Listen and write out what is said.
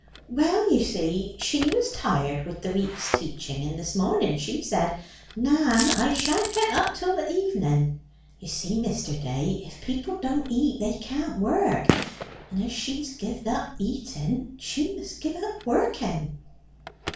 "Well, you see she was tired with the week's teaching, and this morning she said, 'Nan, I sha'n't get up till the evening.' You see, Mr. Day, if people don't eat, they can't work; and as she've gie'd up eating, she must gie up working."